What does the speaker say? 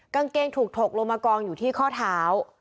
กางเกงถูกถกลงมากองอยู่ที่ข้อเท้า